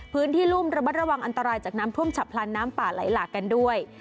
รุ่มระมัดระวังอันตรายจากน้ำท่วมฉับพลันน้ำป่าไหลหลากกันด้วย